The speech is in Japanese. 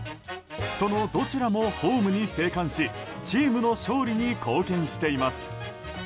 そのどちらもホームに生還しチームの勝利に貢献しています。